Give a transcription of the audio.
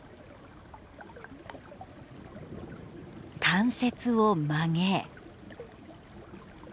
関節を曲げ。